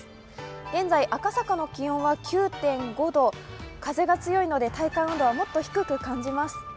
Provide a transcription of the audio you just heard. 現在、赤坂の気温は９．５度、風が強いので体感温度はもっと低く感じます。